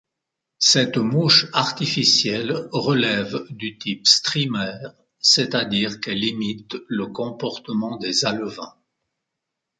Cette mouche artificielle relève du type streamer, c'est-à-dire qu'elle imite le comportement des alevins.